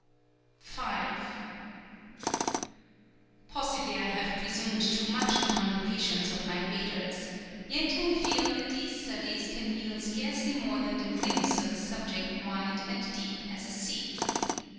V Possibly I have presumed too much upon the patience of my readers; yet I feel that these studies can yield scarcely more than the glimpse of a subject wide and deep as a sea.